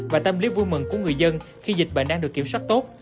và tâm lý vui mừng của người dân khi dịch bệnh đang được kiểm soát tốt